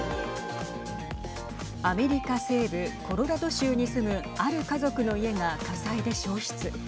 アメリカ西部コロラド州に住むある家族の家が火災で焼失。